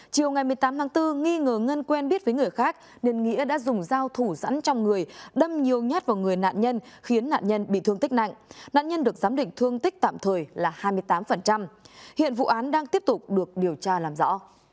chiều ngày một mươi tám tháng bốn nghi ngờ ngân quen biết với người khác nên nghĩa đã dùng dao thủ rãn trong người đâm nhiều nhát vào người nạn nhân khiến nạn nhân bị thương tích nặng nạn nhân được giám định thương tích tạm thời là hai mươi tám hiện vụ án đang tiếp tục được điều tra làm rõ